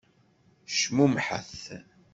Cmumḥet!